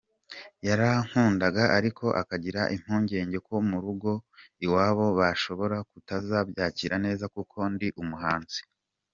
Yarankundaga ariko akagira impungenge ko mu rugo iwabo bashobora kutazabyakira neza kuko ndi umuhanzi.